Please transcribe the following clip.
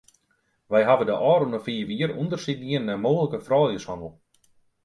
Wy hawwe de ôfrûne fiif jier ûndersyk dien nei mooglike frouljushannel.